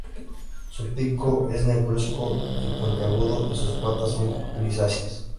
Su pico es negruzco y puntiagudo y sus patas son grisáceas.